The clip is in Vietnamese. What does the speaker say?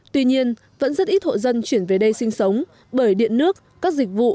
tuy nhiên vẫn rất ít hộ dân chuyển về đây sinh sống bởi điện nước các dịch vụ